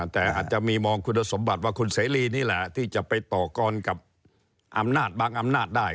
แต่อาจจะมีมองคุณสมบัติว่าคุณเสรีนี่แหละที่จะไปต่อกรกับอำนาจบางอำนาจได้